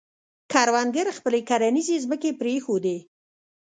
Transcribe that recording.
کروندګرو خپلې کرنیزې ځمکې پرېښودې.